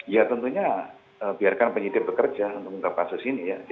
ya tentunya biarkan penyidik bekerja untuk mengungkap kasus ini ya